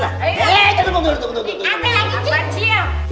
biasa wilayahnya grande banget sih